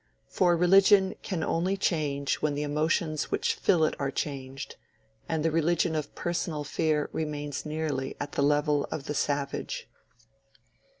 For religion can only change when the emotions which fill it are changed; and the religion of personal fear remains nearly at the level of the savage.